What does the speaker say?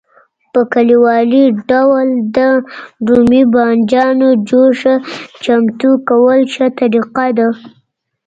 په کلیوالي ډول د رومي بانجانو جوشه چمتو کول ښه طریقه ده.